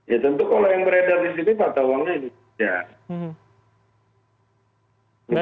ya tentu kalau yang beredar di sini mata uangnya indonesia